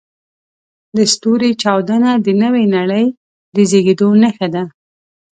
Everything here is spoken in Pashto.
د ستوري چاودنه د نوې نړۍ د زېږېدو نښه ده.